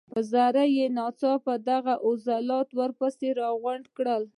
پۀ ذريعه ناڅاپي دغه عضلات واپس راغونډ کړي